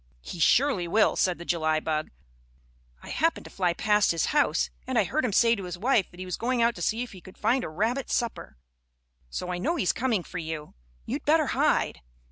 "He surely will," said the July bug. "I happened to fly past his house, and I heard him say to his wife that he was going out to see if he could find a rabbit supper. So I know he's coming for you. You'd better hide."